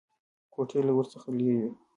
کوټې له ور څخه لرې وې.